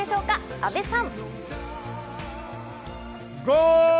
阿部さん。